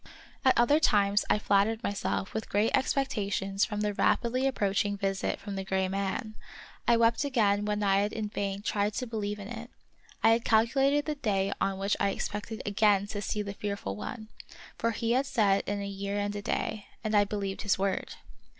At other times I flattered myself with great expectations from the rapidly approaching visit from the gray man, and wept again when I had in vain tried to believe in it. I had calculated the day on which I expected again to see the fearful one ; for he had said in a year and a day, and I believed his word.